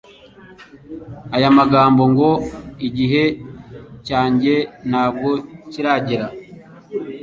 Aya magambo ngo: «Igihe cyanjye ntabwo kiragera»